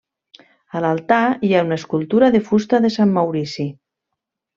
A l'altar hi ha una escultura de fusta de Sant Maurici.